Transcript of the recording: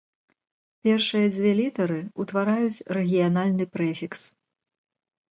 Першыя дзве літары ўтвараюць рэгіянальны прэфікс.